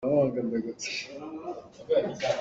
Sum ah fangvoi an su len ko.